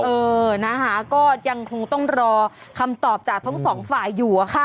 เออนะคะก็ยังคงต้องรอคำตอบจากทั้งสองฝ่ายอยู่อะค่ะ